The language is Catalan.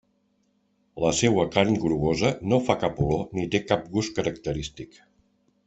La seua carn grogosa no fa cap olor ni té cap gust característic.